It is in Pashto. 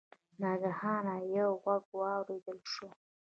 ناګهانه یو غږ واوریدل شو.